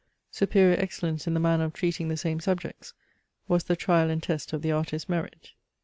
Superior excellence in the manner of treating the same subjects was the trial and test of the artist's merit.